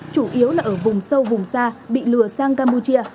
chủ yếu là ở vùng sâu vùng xa bị lừa sang campuchia